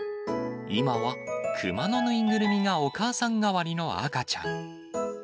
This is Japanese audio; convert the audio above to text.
今は熊の縫いぐるみがお母さん代わりの赤ちゃん。